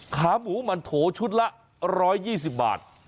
ขาหมูหมันโถชุตละร้อยยี่สิบบาท